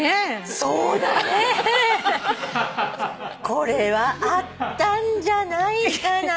これはあったんじゃないかな？